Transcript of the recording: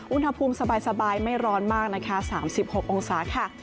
อุณหภูมิสบายไม่ร้อนมากนะคะ๓๖องศาค่ะ